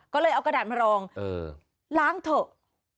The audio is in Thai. ก็เลยเอากระดาษมารองล้างเถอะ